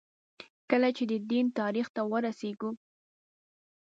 کله چې د دین تاریخ ته وررسېږو.